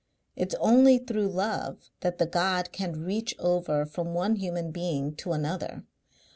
It's only through love that the God can reach over from one human being to another.